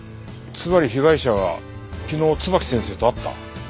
つまり被害者は昨日椿木先生と会った。